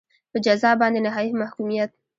په جزا باندې نهایي محکومیت.